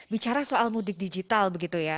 bicara soal mudik digital begitu ya